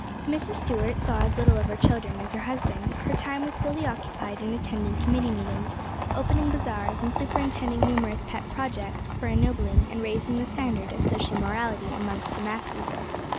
Mrs. Stuart saw as little of her children as her husband; her time was fully occupied in attending committee meetings, opening bazaars, and superintending numerous pet projects for ennobling and raising the standard of social morality amongst the masses.